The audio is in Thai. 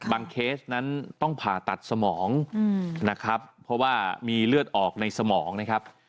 เคสนั้นต้องผ่าตัดสมองนะครับเพราะว่ามีเลือดออกในสมองนะครับ